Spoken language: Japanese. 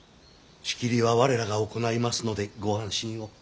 仕切りは我らが行いますのでご安心を。